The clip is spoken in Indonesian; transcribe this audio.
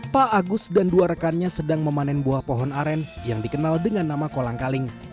pak agus dan dua rekannya sedang memanen buah pohon aren yang dikenal dengan nama kolang kaling